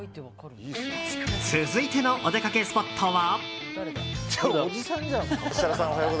続いてのお出かけスポットは。